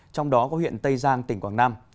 trong đó có huyện tây giang tỉnh quảng nam